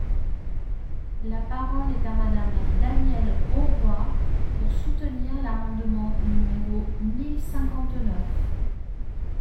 La parole est à Madame Danielle Auroi, pour soutenir l’amendement numéro mille cinquante-neuf.